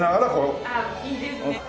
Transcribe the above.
ああいいですね。